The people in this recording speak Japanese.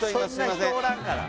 そんな人おらんから。